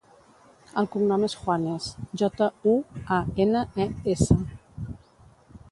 El cognom és Juanes: jota, u, a, ena, e, essa.